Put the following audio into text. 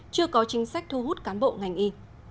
chưa có chính sách thu hút cán bộ ngành y